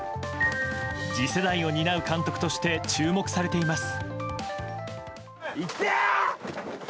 次世代を担う監督として注目されています。